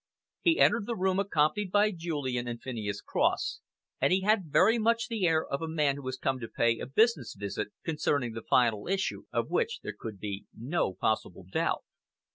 He entered the room accompanied by Julian and Phineas Cross, and he had very much the air of a man who has come to pay a business visit, concerning the final issue of which there could be no possible doubt.